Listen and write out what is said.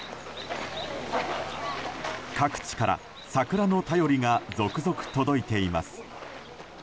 各地から桜の便りが続々、届いています。